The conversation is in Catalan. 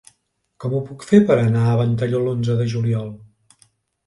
Com ho puc fer per anar a Ventalló l'onze de juliol?